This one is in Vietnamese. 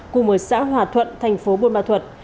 cùng với xã hòa thuận thành phố bùi ma thuật